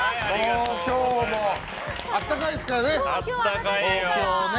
今日も暖かいですからね。